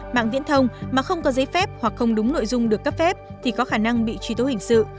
mạng viễn thông mà không có giấy phép hoặc không đúng nội dung được cấp phép thì có khả năng bị truy tố hình sự